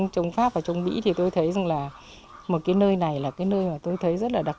trong pháp và trong mỹ thì tôi thấy là một cái nơi này là cái nơi mà tôi thấy rất là đặc